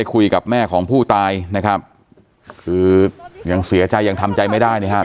คุยกับแม่ของผู้ตายนะครับคือยังเสียใจยังทำใจไม่ได้นะครับ